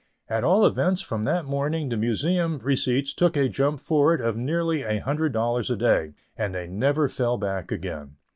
At all events, from that morning the Museum receipts took a jump forward of nearly a hundred dollars a day, and they never fell back again.